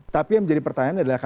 tapi yang menjadi pertanyaan adalah